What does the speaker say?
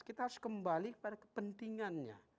kita harus kembali kepada kepentingannya